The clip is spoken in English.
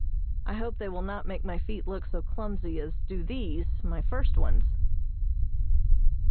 I hope they will not make my feet look so clumsy as do these, my first ones.